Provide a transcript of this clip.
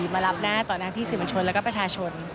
มารับหน้าต่อหน้าพี่สื่อมวลชนแล้วก็ประชาชน